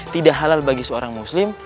tidak halal bagi seorang muslim